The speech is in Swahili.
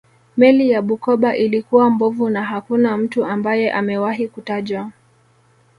Meli ya Bukoba ilikuwa mbovu na hakuna mtu ambaye amewahi kutajwa